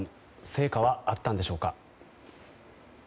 成果はあったんでしょうか。